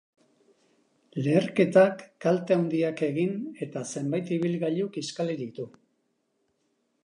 Leherketak kalte handiak egin eta zenbait ibilgailu kiskali ditu.